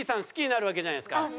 好きになるわけじゃないですか。